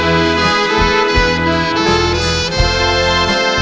ทุกคนอยากไอ้โทษภาพ